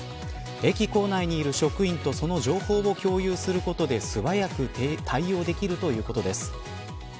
駅構内にいる職員とその情報を共有することで素早く対応できるということです。